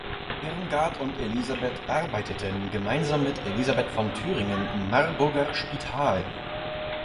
Irmgard und Elisabeth arbeiteten gemeinsam mit Elisabeth von Thüringen im Marburger Spital.